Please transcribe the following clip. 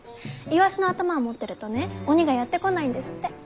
イワシの頭を持ってるとね鬼がやって来ないんですって。